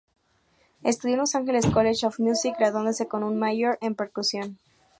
Estudió en Los Angeles College of Music, graduándose con un "major" en percusión.